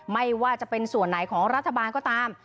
ไม่ว่าจะเป็นส่วนไหนของรัฐบาลก็ตาม